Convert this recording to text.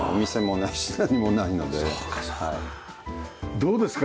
どうですか？